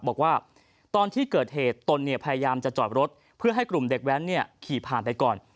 บอกว่าตอนที่เกิดเหตุตนเนี่ยพยายามจะจอดรถเพื่อให้กลุ่มเด็กแว้นขี่ผ่านไปก่อน